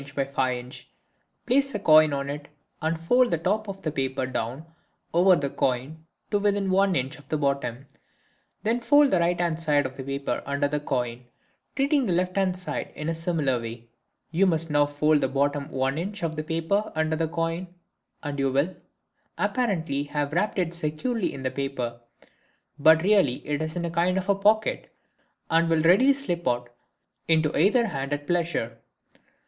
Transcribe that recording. by 5 in., place a coin on it and fold the top of the paper down over the coin to within 1 in. of the bottom. Then fold the right hand side of the paper under the coin, treating the left hand side in a similar way. You must now fold the bottom 1 in. of the paper under the coin and you will, apparently, have wrapped it securely in the paper; but really it is in a kind of pocket, and will readily slip out into either hand at pleasure.